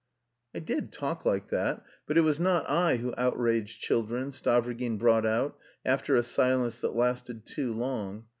"I did talk like that, but it was not I who outraged children," Stavrogin brought out, after a silence that lasted too long.